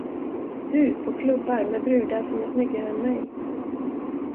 Du på klubbar med brudar som är snyggare än mig?